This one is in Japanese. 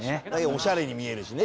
おしゃれに見えるしね。